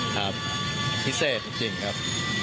ภาพมิเศษจริงครับ